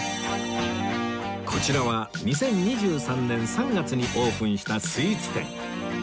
こちらは２０２３年３月にオープンしたスイーツ店